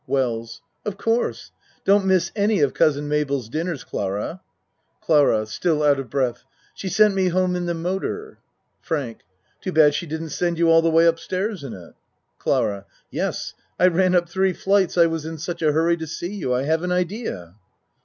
WELLS Of course. Don't miss any of Cousin Mabel's dinners, Clara. CLARA (Still out of breath.) She sent me home in the motor. FRANK Too bad she didn't send you all the way up stairs in it. CLARA Yes. I ran up three flights I was in such a hurry to see you I have an idea.